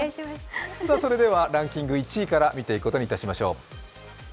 ランキング１位から見ていくことにいたしましょう。